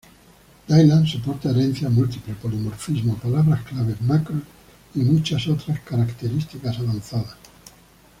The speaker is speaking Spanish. Dylan soporta herencia múltiple, polimorfismo, palabras clave, macros, y muchas otras características avanzadas.